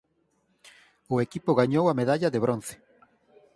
O equipo gañou a medalla de bronce.